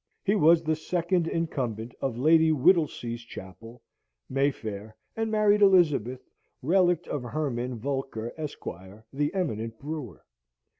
[He was the second Incumbent of Lady Whittlesea's Chapel, Mayfair, and married Elizabeth, relict of Hermann Voelcker, Esq., the eminent brewer.